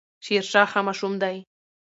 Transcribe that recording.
شيرشاه ښه ماشوم دی